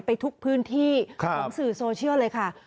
ไปทุกพื้นที่ของสื่อโซเชียลเลยค่ะ